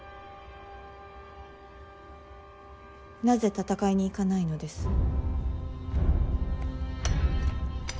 なぜ戦いに行かないのです。